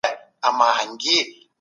تاسو به د خپلو لاسته راوړنو قدر کوئ.